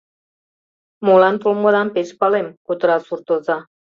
— Молан толмыдам пеш палем, — кутыра суртоза.